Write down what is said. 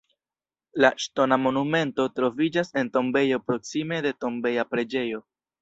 La ŝtona monumento troviĝas en tombejo proksime de tombeja preĝejo.